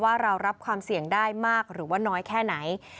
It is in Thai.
ว่าเรารับความเสี่ยงได้มากหรือว่าน้อยแค่ไหน